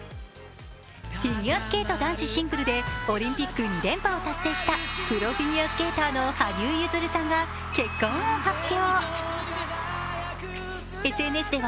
フィギュアスケート男子シングルでオリンピック２連覇を達成したプロフィギュアスケーターの羽生結弦さんが結婚を発表。